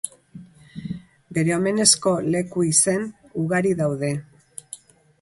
Bere omenezko leku-izen ugari daude.